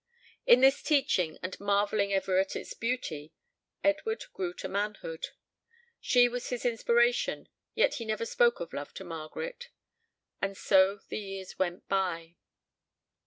In this teaching, and marvelling ever at its beauty, Edward grew to manhood. She was his inspiration, yet he never spoke of love to Margaret. And so the years went by.